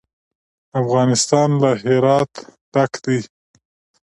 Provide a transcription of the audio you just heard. افغانستان له هرات ډک دی.